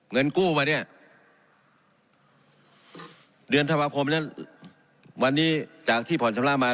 เงินกู้มาเนี่ยเดือนธันวาคมแล้ววันนี้จากที่ผ่อนชำระมา